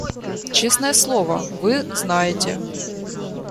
Честное слово, вы знаете.